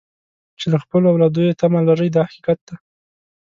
چې له خپلو اولادونو یې تمه لرئ دا حقیقت دی.